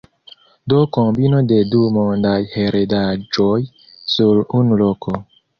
Do kombino de du mondaj heredaĵoj sur unu loko.